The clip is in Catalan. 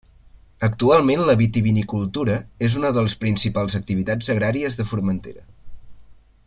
Actualment la vitivinicultura és una de les principals activitats agràries de Formentera.